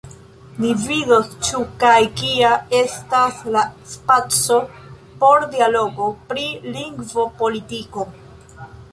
Ni vidos ĉu kaj kia estas la spaco por dialogo pri lingvopolitiko.